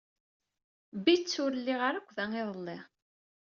Bitt ur lliɣ ara akk da iḍelli.